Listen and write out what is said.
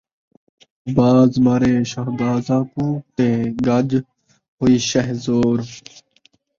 باز مارے شہبازاں کوں تے ڳجھ ہوئی شہ زورے